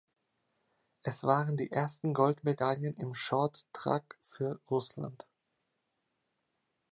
Es waren die ersten Goldmedaillen im Shorttrack für Russland.